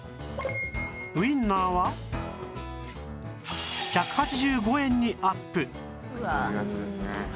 ウィンナーは１８５円にアップ